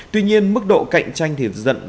tuy nhiên mức độ cạnh tranh thì dẫn